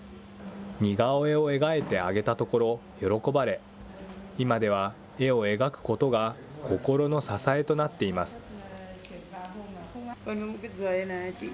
似顔絵を描いてあげたところ、喜ばれ、今では絵を描くことが心の支えとなっています。